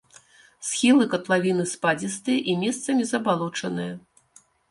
Схілы катлавіны спадзістыя і месцамі забалочаныя.